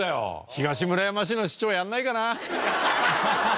東村山市の市長やらないかな。